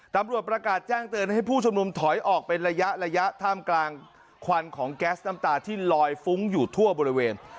ตำรวจประกาศแจ้งเตือนให้ผู้ชมนุมถอยออกเป็นระยะระยะท่ามกลางควันของแก๊สน้ำตาที่ลอยฟุ้งอยู่ทั่วบริเวณ